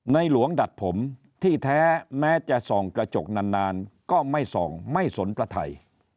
หลวงดัดผมที่แท้แม้จะส่องกระจกนานก็ไม่ส่องไม่สนประไทย